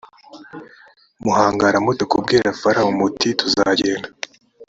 muhangara mute kubwira farawo muti tuzagenda